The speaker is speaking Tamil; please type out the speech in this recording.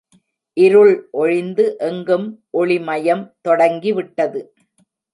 இருள் ஒழிந்து எங்கும் ஒளிமயம் தொடங்கிவிட்டது.